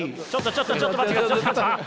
ちょっとちょっと待ってください。